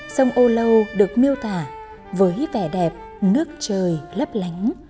sông âu lâu được miêu tả với vẻ đẹp nước trời lấp lánh